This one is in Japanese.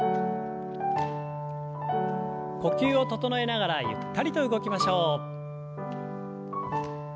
呼吸を整えながらゆったりと動きましょう。